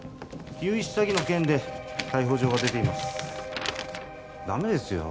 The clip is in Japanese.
融資詐欺の件で逮捕状が出ていますダメですよ